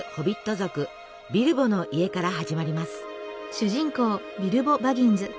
族ビルボの家から始まります。